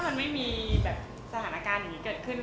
ถ้ามีมีสถานการณ์แบบนี้เกิดขึ้น